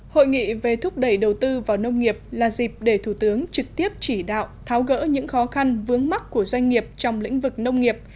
hội nghị về thúc đẩy đầu tư vào nông nghiệp là dịp để thủ tướng trực tiếp chỉ đạo tháo gỡ những khó khăn vướng mắt của doanh nghiệp trong lĩnh vực nông nghiệp